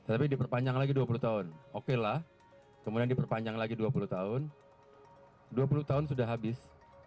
tapi diperpanjang lagi dua puluh tahun okelah kemudian diperpanjang lagi dua puluh tahun dua puluh tahun sudah habis